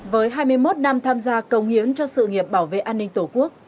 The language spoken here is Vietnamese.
với hai mươi một năm tham gia công hiến cho sự nghiệp bảo vệ an ninh tổ quốc